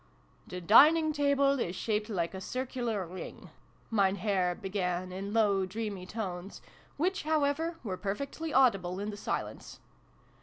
" The dining table is shaped like a circular ring," Mein Herr began, in low dreamy tones, which, however, were perfectly audible in the silence.